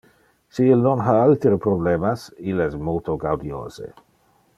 Si il non ha altere problemas, il es multo gaudiose.